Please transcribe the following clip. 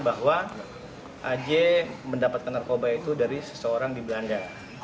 bahwa aj mendapatkan narkoba itu dari seseorang di belanda